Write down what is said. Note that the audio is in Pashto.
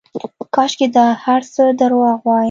کاشکې دا هرڅه درواغ واى.